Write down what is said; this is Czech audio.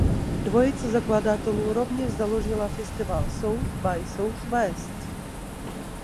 Dvojice zakladatelů rovněž založila festival South by Southwest.